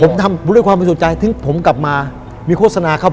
ผมทำด้วยความบริสุทธิ์ใจถึงผมกลับมามีโฆษณาครับ